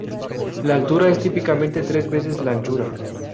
La altura es típicamente tres veces la anchura.